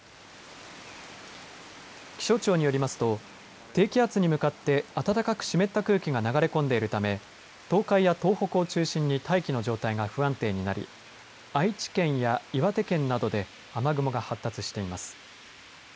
気象庁によりますと低気圧に向かって暖かく湿った空気が流れ込んでいるため東海や東北を中心に大気の状態が不安定になり愛知県や岩手県などで雨雲が発達しています。